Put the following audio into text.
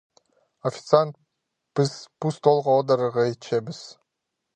Официант, піс пу столға одырарға итчебіс.